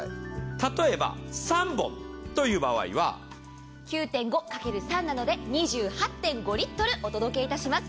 例えば３本という場合は９．５×３なので、２５リットルお届けします。